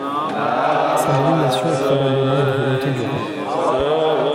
Sa nomination est probablement une volonté du roi.